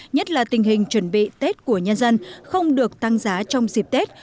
nhất là tình hình chuẩn bị tết của nhân dân không được tăng giá trong dịp tết